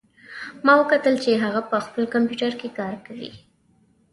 ما وکتل چې هغه په خپل کمپیوټر کې کار کوي